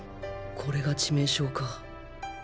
これが致命傷か